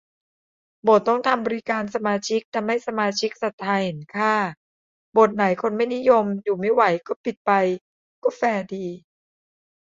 โบสถ์ต้องทำบริการสมาชิกทำให้สมาชิกศรัทธาเห็นค่า โบสถ์ไหนคนไม่นิยมอยู่ไม่ไหวก็ปิดไป ก็แฟร์ดี